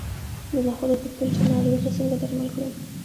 د نخودو د پیلټ ناروغي څنګه درمل کړم؟